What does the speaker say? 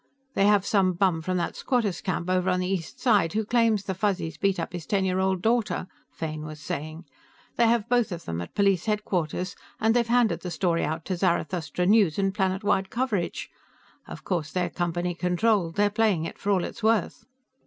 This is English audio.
"They have some bum from that squatters' camp over on the East Side who claims the Fuzzies beat up his ten year old daughter," Fane was saying. "They have both of them at police headquarters, and they've handed the story out to Zarathustra News, and Planetwide Coverage. Of course, they're Company controlled; they're playing it for all it's worth."